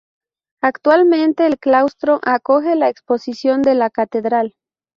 Actualmente el claustro acoge la exposición de la Catedral.